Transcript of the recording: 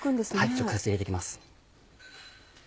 直接入れて行きます。